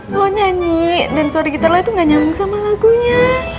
lo nyanyi dan suara gitar lo itu gak nyambung sama lagunya